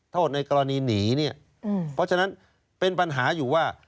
โทษในกรณีหนีเนี่ยเพราะฉะนั้นเป็นปัญหาอยู่ว่า